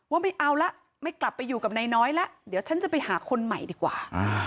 ไม่เอาละไม่กลับไปอยู่กับนายน้อยแล้วเดี๋ยวฉันจะไปหาคนใหม่ดีกว่า